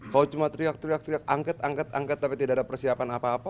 kau cuma teriak teriak teriak angket angket angkat tapi tidak ada persiapan apa apa